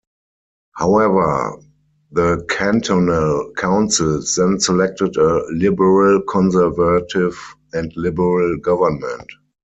However, the cantonal councils then selected a liberal-conservative and liberal government.